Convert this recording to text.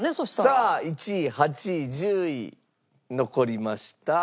さあ１位８位１０位残りました。